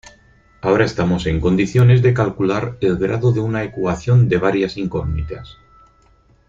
Ahora estamos en condiciones de calcular el grado de una ecuación de varias incógnitas.